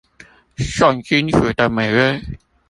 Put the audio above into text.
重金屬的美味